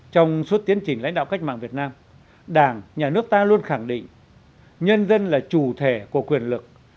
trong suốt tiến trình lãnh đạo cách mạng việt nam đảng nhà nước ta luôn khẳng định nhân dân là chủ thể của quyền lực